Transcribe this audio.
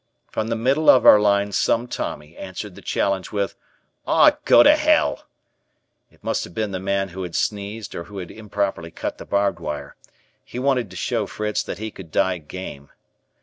From the middle of our line some Tommy answered the challenge with, "Aw, go to hell." It must have been the man who had sneezed or who had improperly cut the barbed wire; he wanted o show Fritz that he could die game.